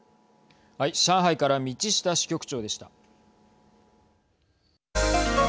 上海から道下支局長でした。